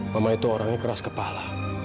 mama itu orangnya keras kepala